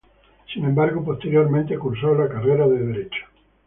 Sin embargo posteriormente cursó la carrera de derecho.